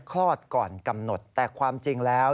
คลอดก่อนกำหนดแต่ความจริงแล้ว